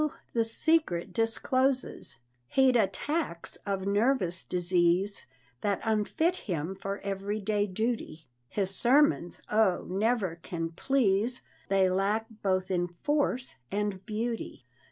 the secret discloses, He'd attacks of nervous disease, That unfit him for every day duty; His sermons, oh, never can please, They lack both in force and beauty.